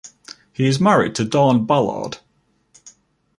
He is married to Dahn Ballard.